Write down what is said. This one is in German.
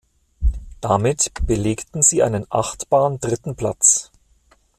Damit belegten sie einen achtbaren dritten Platz.